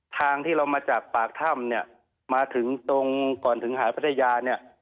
ทางที่เรามาจากปากถ้ำเนี่ยมาถึงตรงก่อนถึงหาดพัทยาเนี่ย